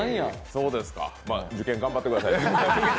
そうですか、受験頑張ってください。